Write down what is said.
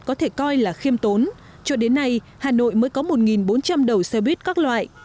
có thể coi là khiêm tốn cho đến nay hà nội mới có một bốn trăm linh đầu xe buýt các loại